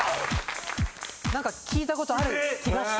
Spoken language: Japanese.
何か聞いたことある気がした。